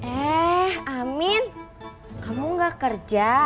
eh amin kamu gak kerja